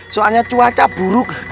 soalnya cuaca buruk